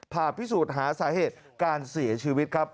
ผ่าพิสูจน์หาสาเหตุการเสียชีวิตครับ